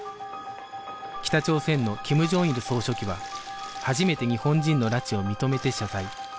北朝鮮の金正日総書記は初めて日本人の拉致を認めて謝罪